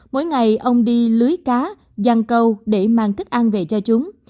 mỗi ngày ông đi lưới cá dăng câu để mang thức ăn về cho chúng